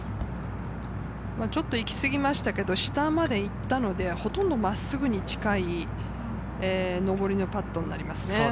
ちょっと行き過ぎましたけれど、下まで行ったので、ほとんど真っすぐに近い上りのパットになります。